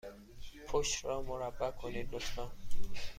پشت را مربع کنید، لطفا.